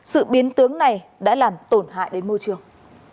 sự biến tướng này đã làm tổn hại đến môi trường